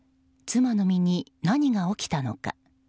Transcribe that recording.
妻の身に何が起きたのか。